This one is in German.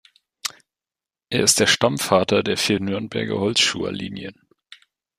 Er ist der Stammvater der vier Nürnberger Holzschuher-Linien.